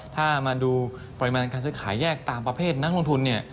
ถ้ามาดูปริมาณการซื้อขายแยกตามประเภทนักลงทุนเนี่ย